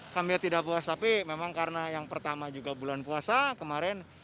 hampir tidak puas tapi memang karena yang pertama juga bulan puasa kemarin